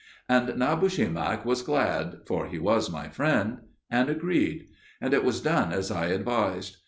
And Nabushemak was glad for he was my friend and agreed; and it was done as I advised.